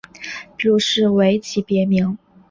皮鲁士为其别名。